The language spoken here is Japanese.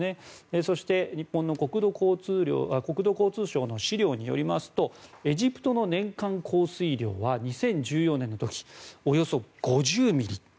そして、日本の国土交通省の資料によりますとエジプトの年間降水量は２０１４年の時およそ５０ミリ。